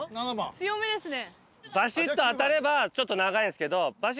強めですね。